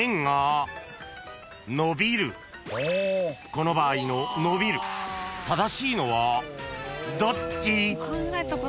［この場合の「のびる」正しいのはどっち？］